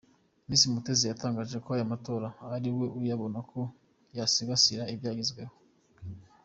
Miss Mutesi yatangaje ko aya matora kuri we ayabona nko ‘gusigasira ibyagezweho.